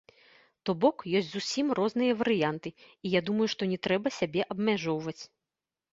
То бок ёсць зусім розныя варыянты, і я думаю, што не трэба сябе абмяжоўваць.